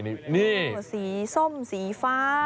สีส้มสีฟ้า